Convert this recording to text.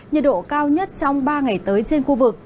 nhiệt độ cao nhất trong ba ngày tới trên khu vực